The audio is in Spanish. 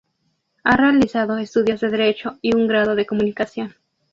Ha realizado estudios de derecho y un grado de comunicación.